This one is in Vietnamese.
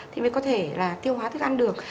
thì mới có thể là tiêu hóa thức ăn được